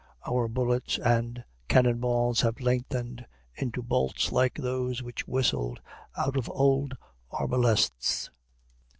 Our bullets and cannon balls have lengthened into bolts like those which whistled out of old arbalests.